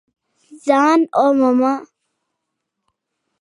ځان ومومه !